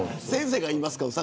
先生が言いますか。